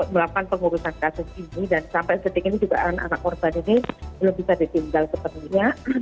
melakukan pengurusan kasus ini dan sampai sedikit ini juga anak korban ini belum bisa ditinggal ke perniagaan